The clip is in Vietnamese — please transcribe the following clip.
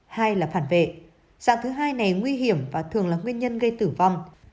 hai là phản vệ dạng thứ hai này nguy hiểm và thường là nguyên nhân gây tử vong